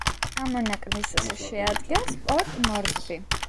გამონაკლისს შეადგენს პორტ-მორზბი.